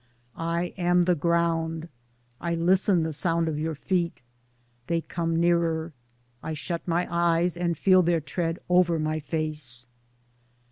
I am the ground ; I listen the sound of your feet. They come nearer. I shut my eyes and feel their tread over my face.